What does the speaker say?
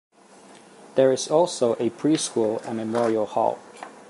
There is also a Pre-school at Memorial Hall.